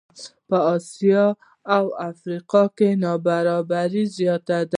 په آسیا او افریقا نابرابري زیاته ده.